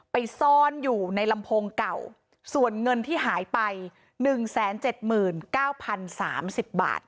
ไปซ่อนอยู่ในลำโพงเก่าส่วนเงินที่หายไป๑๗๙๐๓๐บาท